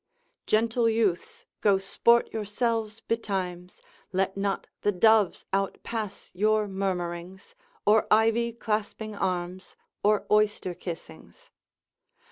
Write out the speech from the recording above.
Gentle youths, go sport yourselves betimes, Let not the doves outpass your murmurings, Or ivy clasping arms, or oyster kissings.